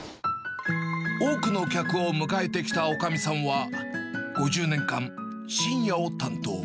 多くの客を迎えてきたおかみさんは、５０年間、深夜を担当。